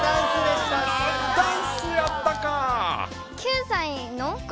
ダンスやったか！